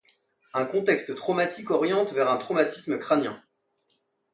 Un contexte traumatique oriente vers un traumatisme crânien.